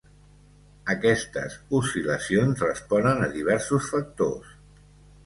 Aquestes oscil·lacions responen a diversos factors.